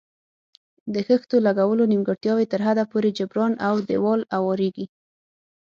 د خښتو لګولو نیمګړتیاوې تر حده پورې جبران او دېوال اواریږي.